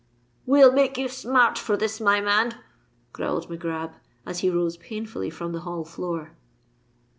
"We'll make you smart for this, my man!" growled Mac Grab, as he rose painfully from the hall floor.